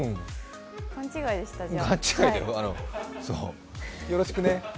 勘違いでした、じゃ。